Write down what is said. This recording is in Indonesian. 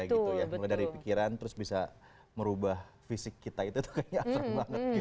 mulai dari pikiran terus bisa merubah fisik kita itu tuh kayaknya akrem banget